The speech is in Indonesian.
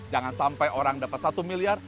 jangan sampai orang dapat satu miliar